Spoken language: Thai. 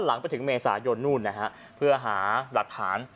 หลังไปถึงเมษายนนู่นนะฮะเพื่อหาหลักฐาน